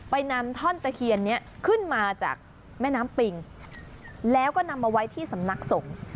นำท่อนตะเคียนนี้ขึ้นมาจากแม่น้ำปิงแล้วก็นำมาไว้ที่สำนักสงฆ์